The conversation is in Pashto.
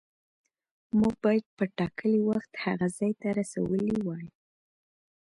موږ باید په ټاکلي وخت هغه ځای ته رسولي وای.